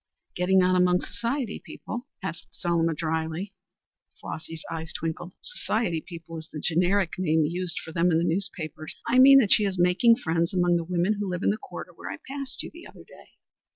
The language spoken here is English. "Getting on among society people?" said Selma drily. Flossy's eyes twinkled. "Society people is the generic name used for them in the newspapers. I mean that she is making friends among the women who live in the quarter where I passed you the other day."